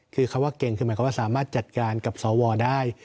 คือคำว่าเก่งคือหมายความว่าสามารถจัดการกับสวได้